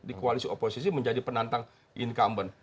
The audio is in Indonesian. di koalisi oposisi menjadi penantang incumbent